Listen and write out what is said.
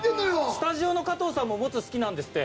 スタジオの加藤さんもモツ好きなんですって。